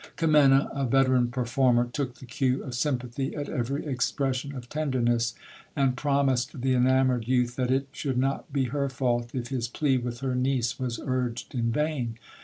Kimena, a veteran performer, took the cue of sympathy at every expression of tenderness, and promised the enamoured youth that it should not be her fault if his plea with her niece was urged in vain.